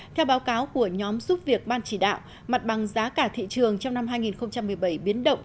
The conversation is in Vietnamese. theo báo cáo của nhóm giúp việc ban chỉ đạo mặt bằng giá cả thị trường trong năm hai nghìn một mươi bảy biến động